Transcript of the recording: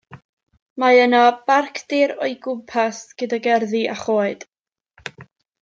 Mae yno barcdir o'i gwmpas gyda gerddi a choed.